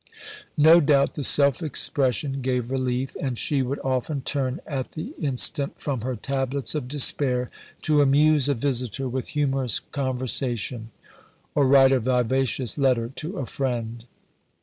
No doubt, the self expression gave relief; and she would often turn at the instant from her tablets of despair to amuse a visitor with humorous conversation, or write a vivacious letter to a friend.